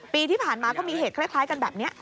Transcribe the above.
ปีที่ผ่านมาก็มีเหตุคล้ายกันแบบนี้